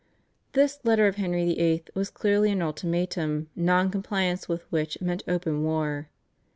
This letter of Henry VIII. was clearly an ultimatum, non compliance with which meant open war.